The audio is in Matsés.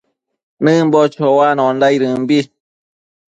Nëmbo choanondaidëmbi